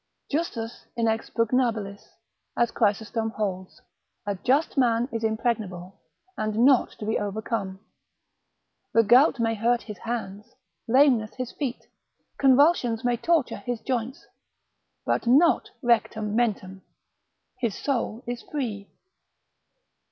Justus inexpugnabilis, as Chrysostom holds, a just man is impregnable, and not to be overcome. The gout may hurt his hands, lameness his feet, convulsions may torture his joints, but not rectam mentem his soul is free.